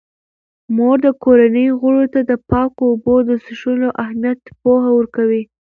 مور د کورنۍ غړو ته د پاکو اوبو د څښلو اهمیت پوهه ورکوي.